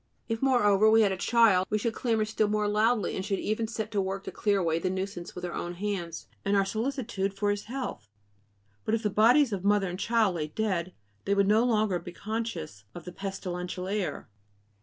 If, moreover, we had a child, we should clamor still more loudly, and should even set to work to clear away the nuisance with our own hands, in our solicitude for his health. But if the bodies of mother and child lay dead, they would no longer be conscious of the pestilential air.